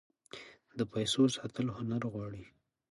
د پیسو ساتل هنر غواړي.